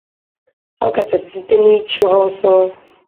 ọkachasị site n'ịchụ ha ọsọ